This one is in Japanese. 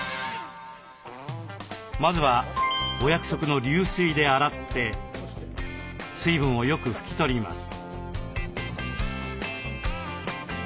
まずはお約束の流水で洗って水分をよく拭きとります。